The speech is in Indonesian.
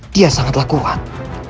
dia sangatlah kuat